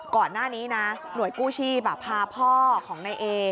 ก่อนหน้านี้นะหน่วยกู้ชีพพาพ่อของนายเอ